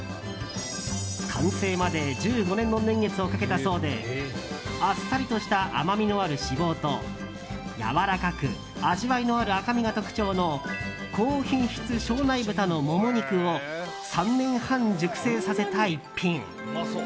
完成まで１５年の年月をかけたそうであっさりとした甘みのある脂肪とやわらかく味わいのある赤身が特徴の高品質庄内豚のモモ肉を３年半熟成させた逸品。